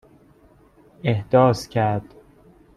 احداث کرد